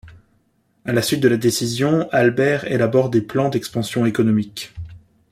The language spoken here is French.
À la suite de la décision, Albert élabore des plans d'expansion économique.